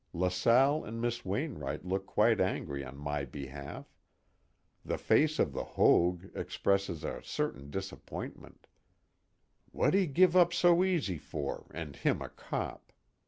LaSalle and Miss Wainwright look quite angry on my behalf. The Face of the Hoag expresses a certain disappointment: 'Wha'd he give up so easy for, and him a cop?'